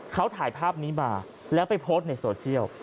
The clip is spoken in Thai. เขาถ่ายภาพนี้มาแล้วไปโพสต์ในโซเชียล